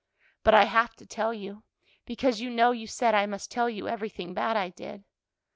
"But I have to tell you, because you know you said I must tell you everything bad I did.